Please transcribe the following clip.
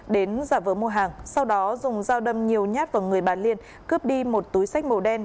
đến giả vờ mua hàng sau đó dùng dao đâm nhiều nhát vào người bà liên cướp đi một túi sách màu đen